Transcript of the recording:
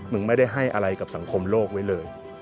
มึงไม่ได้ให้อะไรกับสังคมโลกไว้เลย